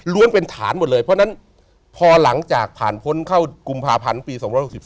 เป็นฐานหมดเลยเพราะฉะนั้นพอหลังจากผ่านพ้นเข้ากุมภาพันธ์ปี๒๖๔